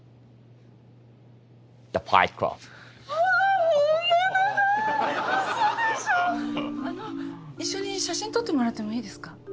あの一緒に写真撮ってもらってもいいですか？